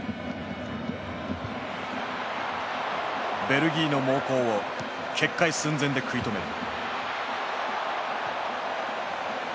ベルギーの猛攻を決壊寸前で食い止める。